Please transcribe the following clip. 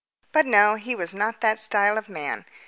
But no, he was not that style of man.